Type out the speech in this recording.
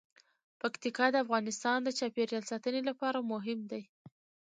پکتیکا د افغانستان د چاپیریال ساتنې لپاره مهم دي.